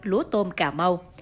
lúa tôm cà mau